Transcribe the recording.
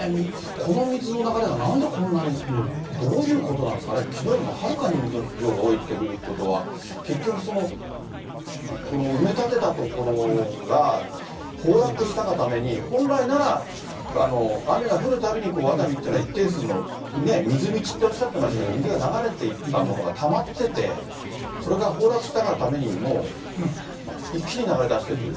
この水の流れが、なんでこんなに、どういうことなんですかね、きのうよりもはるかに水の量が多いということは、結局この埋め立てた所が、崩落したがために、本来なら、雨が降るたびに熱海っていうのは、一定数の、水みちっておっしゃってましたけど、水が流れていったものがたまってて、それが崩落したがために、もう一気に流れだしていくという。